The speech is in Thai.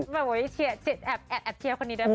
แบบเว้ยเชียร์แอบเชียร์คนนี้ได้ป่ะ